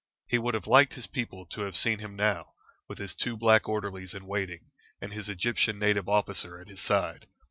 He would have liked his people to have seen him now, with his two black orderlies in waiting, and his Egyptian native officer at his side.